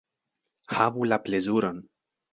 Havu la plezuron.